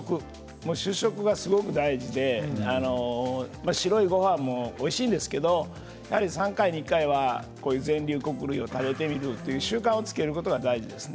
もう主食がすごく大事で白い御飯もおいしいんですけどやはり３回に１回はこういう全粒穀類を食べてみるという習慣をつけることが大事ですね。